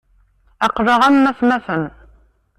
Aql-aɣ am atmaten.